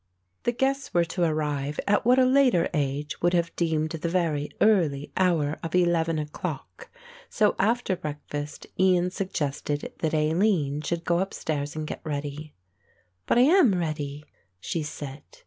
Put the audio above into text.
The guests were to arrive at what a later age would have deemed the very early hour of eleven o'clock, so after breakfast Ian suggested that Aline should go upstairs and get ready. "But I am ready," she said.